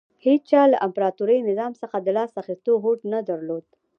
هېچا له امپراتوري نظام څخه د لاس اخیستو هوډ نه درلود